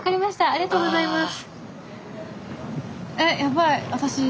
ありがとうございます。